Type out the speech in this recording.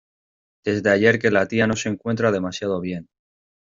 Desde ayer que la tía no se encuentra demasiado bien.